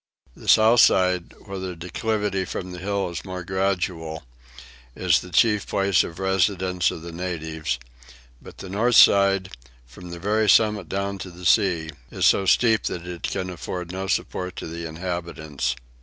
The south side, where the declivity from the hill is more gradual, is the chief place of residence of the natives; but the north side, from the very summit down to the sea, is so steep that it can afford no support to the inhabitants.